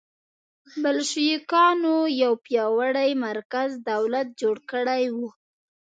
بلشویکانو یو پیاوړی مرکزي دولت جوړ کړی و